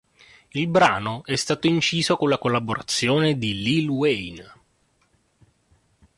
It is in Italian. Il brano è stato inciso con la collaborazione di Lil Wayne.